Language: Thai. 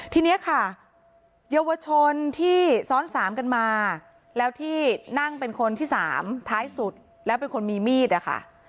ทีนี้ค่ะเยาวชนที่ซ้อนสามกันมาแล้วที่นั่งเป็นคนที่สามท้ายสุดแล้วเป็นคนมีมีดนะคะ